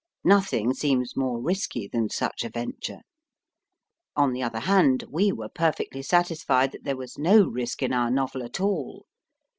Nothing seems more risky than such a venture. On the other hand, we were perfectly satisfied that there was no risk in our novel at all.